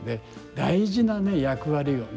大事なね役割をね